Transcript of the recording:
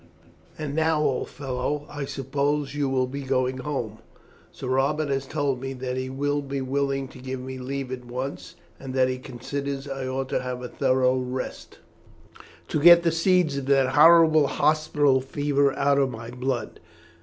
"And now, old fellow, I suppose you will be going home? Sir Robert has told me that he will be willing to give me leave at once, and that he considers I ought to have a thorough rest, to get the seeds of that horrible hospital fever out of my blood.